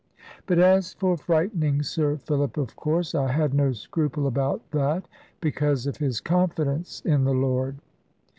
But as for frightening Sir Philip, of course, I had no scruple about that; because of his confidence in the Lord.